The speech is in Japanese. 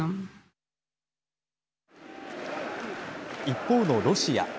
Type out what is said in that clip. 一方のロシア。